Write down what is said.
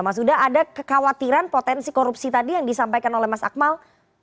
mas huda ada kekhawatiran potensi korupsi tadi yang disampaikan oleh mas akmal